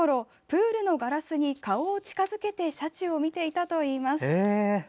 プールのガラスに顔を近づけてシャチを見ていたといいます。